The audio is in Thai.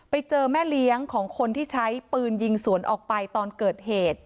ไปเจอแม่เลี้ยงของคนที่ใช้ปืนยิงสวนออกไปตอนเกิดเหตุ